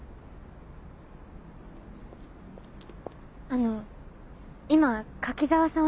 あの今柿沢さん